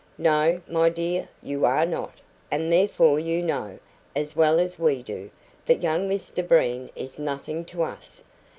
"No, my dear, you are not; and therefore you know, as well as we do, that young Mr Breen is nothing to us."